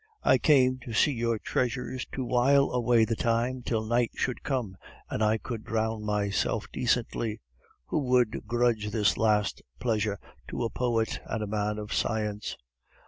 "I came to see your treasures to while away the time till night should come and I could drown myself decently. Who would grudge this last pleasure to a poet and a man of science?"